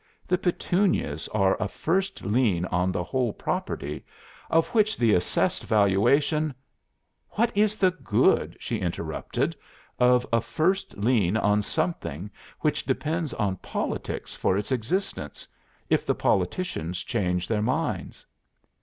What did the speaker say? The Petunias are a first lien on the whole property, of which the assessed valuation '" "'What is the good,' she interrupted, 'of a first lien on something which depends on politics for its existence, if the politicians change their minds?